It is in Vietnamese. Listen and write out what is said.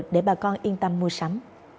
để bà con yên tâm mua sắm